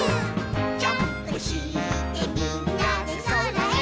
「ジャンプしてみんなでそらへ」